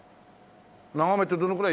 長めってどのくらい？